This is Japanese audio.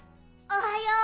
おはよう。